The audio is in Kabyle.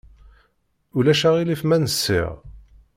Ulac aɣilif ma nsiɣ?